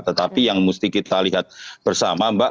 tetapi yang mesti kita lihat bersama mbak